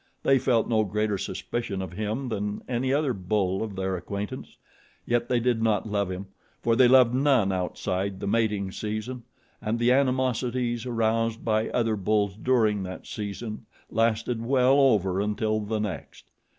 They felt no greater suspicion of him than of any other bull of their acquaintance; yet they did not love him, for they loved none outside the mating season, and the animosities aroused by other bulls during that season lasted well over until the next.